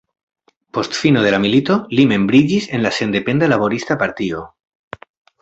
Post fino de la milito, li membriĝis en la Sendependa Laborista Partio.